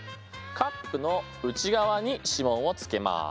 カップの内側に指紋をつけます。